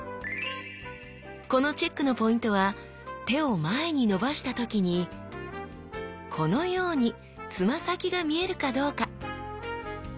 このチェックのポイントは手を前に伸ばした時にこのようにつま先が見えるかどうか。